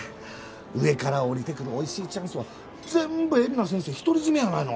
上から下りてくる美味しいチャンスは全部海老名先生独り占めやないの。